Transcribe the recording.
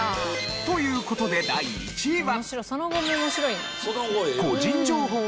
という事で第１位は。